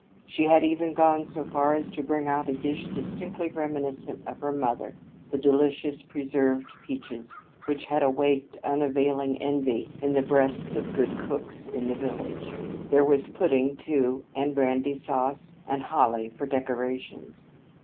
She had even gone so far as to bring out a dish distinctly reminiscent of her mother, the delicious preserved peaches, which had awaked unavailing envy in the breasts of good cooks in the village. There was pudding, too, and brandy sauce, and holly for decorations.